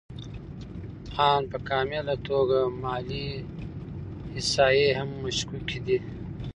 آن په کامله توګه مالي احصایې هم مشکوکې دي